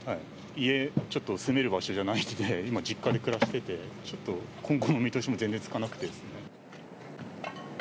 家ちょっと住める場所じゃないんで今実家で暮らしてて今後の見通しも全然つかなくてですね。